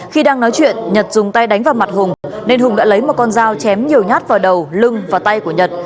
khi đang nói chuyện nhật dùng tay đánh vào mặt hùng nên hùng đã lấy một con dao chém nhiều nhát vào đầu lưng và tay của nhật